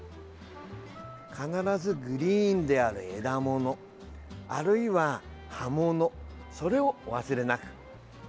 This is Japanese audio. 必ずグリーンである枝もの、あるいは葉ものそれをお忘れなく。